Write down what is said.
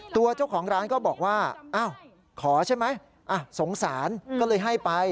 ตัวเจ้าของร้านก็บอกว่าอ้าวขอใช่ไหมสงสารก็เลยให้ไป